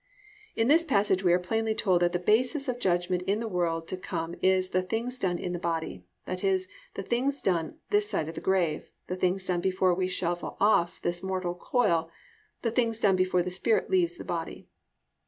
"+ In this passage we are plainly told that the basis of judgment in the world to come is "the things done in the body," i.e., the things done this side the grave, the things done before we shuffle off this mortal coil, the things done before the spirit leaves the body.